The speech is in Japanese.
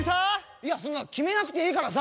いやそんなキメなくていいからさ。